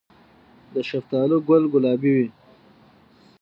د شفتالو ګل ګلابي وي؟